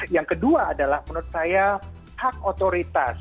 yang kedua adalah menurut saya hak otoritas